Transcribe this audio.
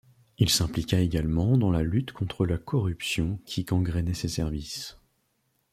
Il s'impliqua également dans la lutte contre la corruption qui gangrenait ses services.